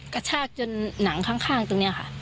กระชากจนหนังข้างตรงนี้ค่ะ